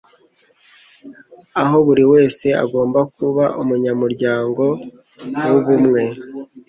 aho buri wese agomba kuba umunyamuryango wubumwe